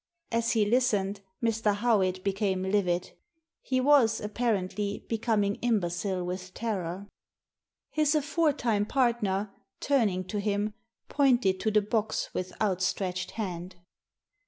As he listened, Mr. Howitt became livid He was, apparently, becoming imbecile with terror. His aforetime partner, turning to him, pointed to the box with outstretched hand.